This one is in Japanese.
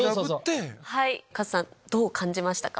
カズさんどう感じましたか？